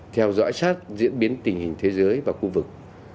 theo dõi sát diễn biến tình hình thế giới và khu vực